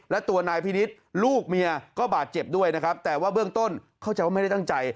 และตัวนายพินิษฐ์ลูกเมียก็บาดเจ็บด้วยนะครับแต่ว่าเบื้องต้นเข้าใจว่าไม่ได้ตั้งใจ